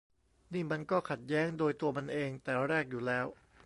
นี่มันก็ขัดแย้งโดยตัวมันเองแต่แรกอยู่แล้ว